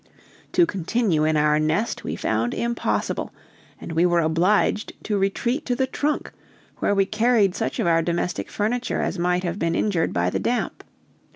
To continue in our nest we found impossible, and we were obliged to retreat to the trunk, where we carried such of our domestic furniture as might have been injured by the damp.